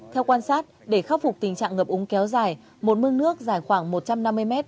theo quan sát để khắc phục tình trạng ngập úng kéo dài một mương nước dài khoảng một trăm năm mươi m